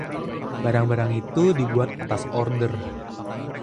barang-barang itu dibuat atas order